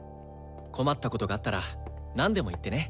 困ったことがあったらなんでも言ってね。